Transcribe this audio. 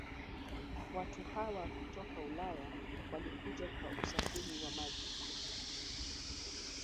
Watu hawa kutoka ulaya Walikuja kwa usafiri wa maji